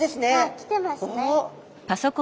来てますね。